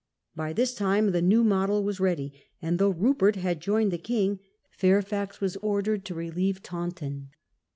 By this time the New Model was ready, and though Rupert had joined the king, Fairfax was ordered to relieve Taunton.